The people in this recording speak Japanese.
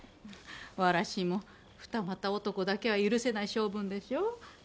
わらしも二股男だけは許せない性分でしょう？